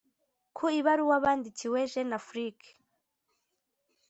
Ku ibaruwa bandikiwe JeuneAfrique